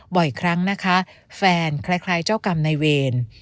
บ่อยครั้งนะคะแฟนคล้ายเจ้ากรรมในเวร